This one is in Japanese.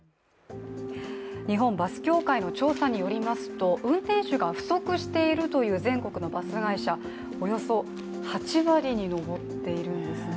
日本バス協会の調査によりますと、運転手が不足しているという全国のバス会社およそ８割に上っているんですね。